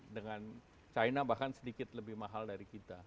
dengan china bahkan sedikit lebih mahal dari kita